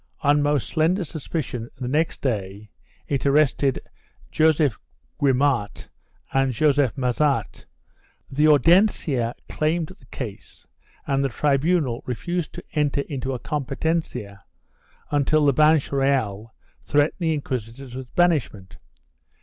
On most slender suspicion, the next day, it arrested Joseph Guimart and Joseph Massart; the Audiencia claimed the case and the tribunal refused to enter into a com petencia until the Banch Reyal threatened the inquisitors with banishment.